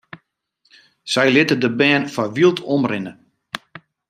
Sy litte de bern foar wyld omrinne.